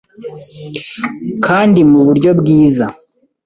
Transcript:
kandi mu buryo bwiza